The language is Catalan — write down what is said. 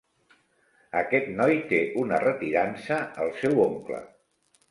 Aquest noi té una retirança al seu oncle.